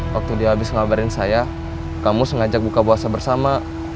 waktu dia habis ngabarin saya kamu sengaja buka puasa bersama